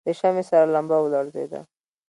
د شمعې سره لمبه ولړزېده.